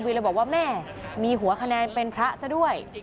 เลยบอกว่าแม่มีหัวคะแนนเป็นพระซะด้วย